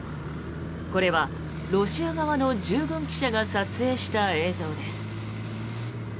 これはロシア側の従軍記者が撮影した映像です。